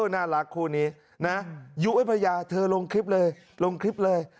น่ารักคู่นี้นะยุไอ้พญาเธอลงคลิปเลยลงคลิปเลย